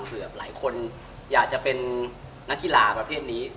หลายคนอยากจะเป็นนักกีฬาประเภทนี้